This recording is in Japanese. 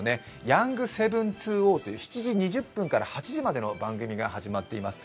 「ヤング７２０」という７時２０分から８時までの番組が始まっています。